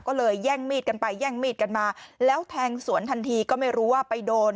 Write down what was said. ก็เลยแย่งมีดกันไปแย่งมีดกันมาแล้วแทงสวนทันทีก็ไม่รู้ว่าไปโดน